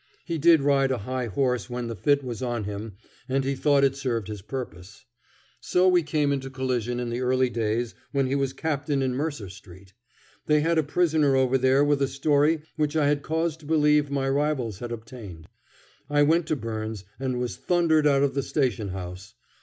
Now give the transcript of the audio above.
He did ride a high horse when the fit was on him and he thought it served his purpose. So we came into collision in the early days when he was captain in Mercer Street. They had a prisoner over there with a story which I had cause to believe my rivals had obtained. I went to Byrnes and was thundered out of the station house.